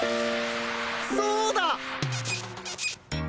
そうだ！